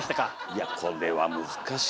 いやこれは難しいよ。